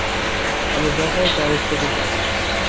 আমি যা চাই তা আমি খুবই চাই।